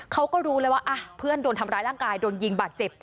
เขาก็รู้เลยว่าเพื่อนโดนทำร้ายร่างกายโดนยิงบาดเจ็บ